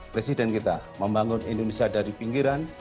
presiden kita membangun indonesia dari pinggiran